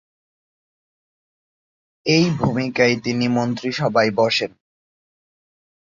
এই ভূমিকায় তিনি মন্ত্রিসভায় বসেন।